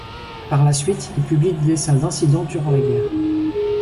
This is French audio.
Par la suite, il publie des dessins d’incidents durant la guerre.